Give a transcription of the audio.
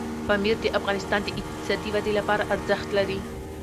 پامیر د افغانستان د اقتصادي ودې لپاره ارزښت لري.